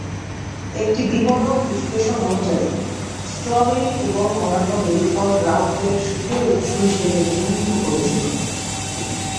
একটি বিপণন বিশ্লেষণ অনুযায়ী স্ট্রবেরি এবং অন্যান্য বেরি ফল গ্রাহকদের "সুখের" উৎস হিসেবে চিহ্নিত করেছিল।